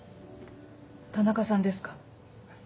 田中さんですか？